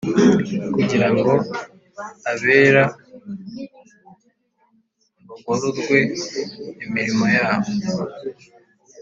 kugira ngo abera bagororwe imirimo yabo